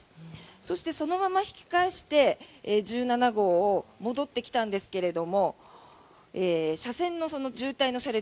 そしてそのまま引き返して１７号を戻ってきたんですが車線の渋滞の車列